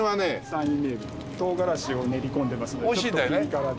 山陰名物の唐辛子を練り込んでますのでちょっとピリ辛で。